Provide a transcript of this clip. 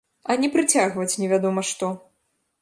А не прыцягваць невядома што!